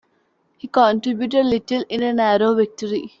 He contributed little in a narrow victory.